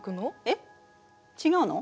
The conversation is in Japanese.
えっ違うの？